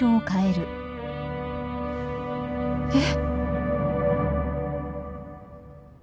えっ？